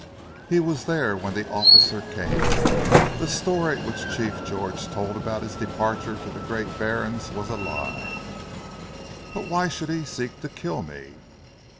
"He was there when the officer came. The story which Chief George told about his departure to the Great Barrens was a lie." "But why should he seek to kill me?"